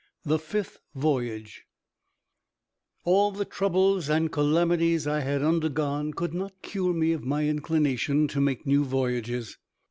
THE FIFTH VOYAGE All the troubles and calamities I had undergone could not cure me of my inclination to make new voyages.